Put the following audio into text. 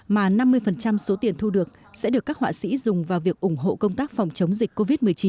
mà năm mươi số tiền thu được sẽ được các họa sĩ dùng vào việc ủng hộ công tác phòng chống dịch covid một mươi chín